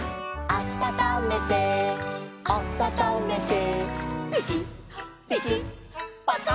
「あたためてあたためて」